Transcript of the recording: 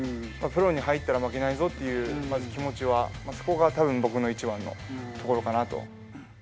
プロに入ったら負けないぞっていう気持ちは、そこがたぶん僕の一番のところかなと。